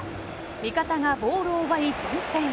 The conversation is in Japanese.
味方がボールを奪い、前線へ。